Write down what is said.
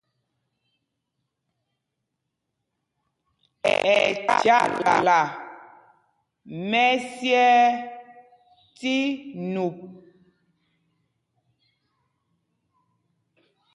Ɛ chyakla mɛ́syɛɛ tí nup.